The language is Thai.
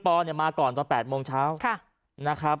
ปอล์กับโรเบิร์ตหน่อยไหมครับ